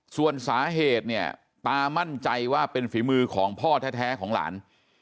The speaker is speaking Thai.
ส่วนสาเหตุเนี่ยตามั่นใจว่าเป็นฝีมือของพ่อแท้ของหลาน